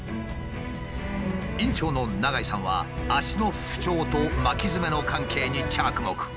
院長の永井さんは足の不調と巻きヅメの関係に着目。